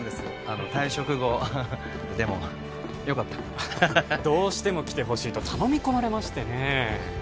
あの退職後でもよかったどうしても来てほしいと頼み込まれましてね